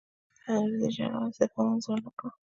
انګریزي جنرال استعفی منظوره نه کړه.